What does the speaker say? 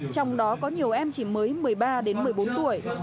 trong đó có nhiều em chỉ mới một mươi ba đến một mươi bốn tuổi